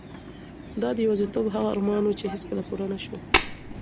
دا د یوازیتوب هغه ارمان و چې هیڅکله پوره نشو.